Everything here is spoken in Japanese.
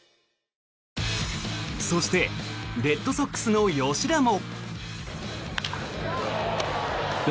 そしてレッドソックスの吉田も。